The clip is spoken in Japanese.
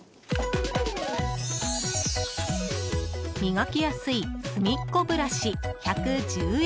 磨きやすいすみっこブラシ、１１０円。